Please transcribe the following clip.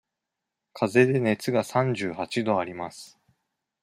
かぜで熱が三十八度あります。